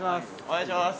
お願いします